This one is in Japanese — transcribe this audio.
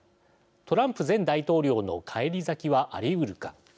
トランプ前大統領の返り咲きはあり得るか。